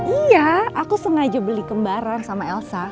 iya aku sengaja beli kembaran sama elsa